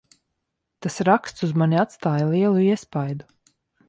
Tas raksts uz mani atstāja lielu iespaidu.